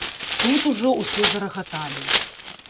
Тут ужо ўсе зарагаталі.